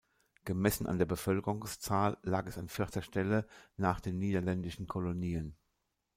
Gemessen an der Bevölkerungszahl lag es an vierter Stelle nach den niederländischen Kolonien.